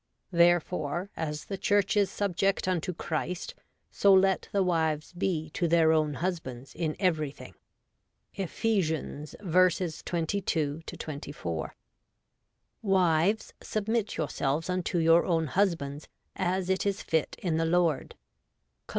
therefore, as the Church is subject unto Christ, so let the wives be to their own husbands in everything' (Ephes. v. 22 24). ' Wives, submit yourselves unto your own hus bands, as it is fit in the Lord ' (Col.